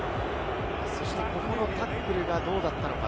このタックルがどうだったのか。